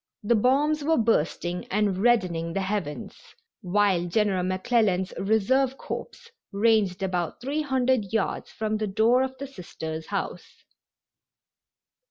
The bombs were bursting and reddening the heavens, while General McClellan's Reserve Corps ranged about three hundred yards from the door of the Sisters' house.